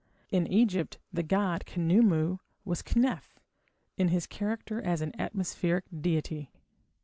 In Egypt the god Khnumu was "Kneph" in his character as an atmospheric deity.